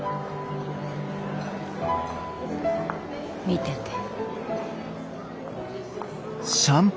見てて。